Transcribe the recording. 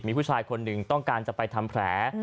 มีผู้ชายคนหนึ่งต้องการจะไปทำแผล